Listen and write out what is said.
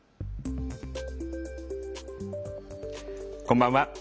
こんばんは。